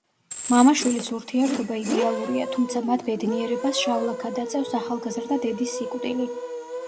მამა-შვილის ურთიერთობა იდეალურია, თუმცა მათ ბედნიერებას შავ ლაქად აწევს ახალგაზრდა დედის სიკვდილი.